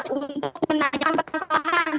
untuk menanyakan pasangan